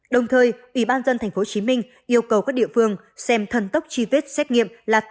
đồng thời ủy ban dân thành phố hồ chí minh yêu cầu các địa phương xem thần tốc chi vết xét nghiệm là